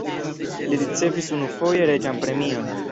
Li ricevis unufoje reĝan premion.